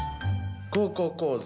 「高校講座」